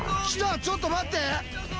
ちょっと待って！